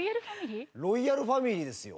ロイヤルファミリーですよ。